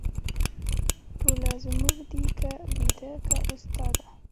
ټوله زموږ دي که ویدا که اوستا ده